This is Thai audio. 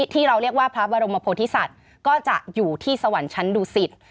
ที่เราเรียกว่าพระบรมโพธิสัตว์ก็จะอยู่ที่สวรรค์ชั้นดุสิต